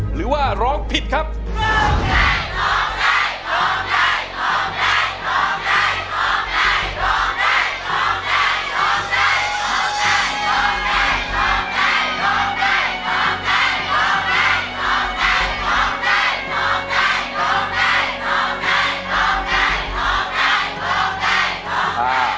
ของใจของใจของใจของใจ